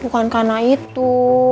bukan karena itu